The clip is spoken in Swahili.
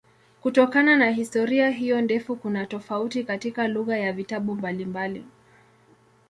Kutokana na historia hiyo ndefu kuna tofauti katika lugha ya vitabu mbalimbali.